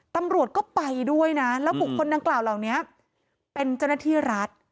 ตำรวจก็ไปด้วยนะแล้วบุคคลดังกล่าวเหล่านี้เป็นเจ้าหน้าที่รัฐ